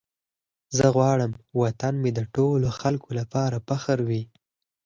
زه غواړم وطن مې د ټولو خلکو لپاره فخر وي.